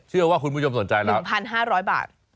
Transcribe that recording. เชื่อว่าคุณผู้ชมสนใจเลย๑๕๐๐บาท